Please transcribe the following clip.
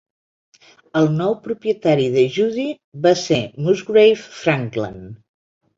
El nou propietari de Judy va ser Musgrave Frankland.